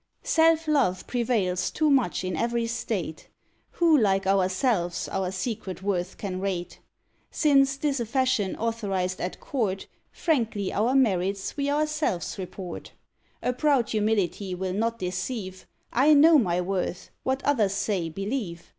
Self love prevails too much in every state; Who, like ourselves, our secret worth can rate? Since 'tis a fashion authorised at court, Frankly our merits we ourselves report. A proud humility will not deceive; I know my worth; what others say, believe.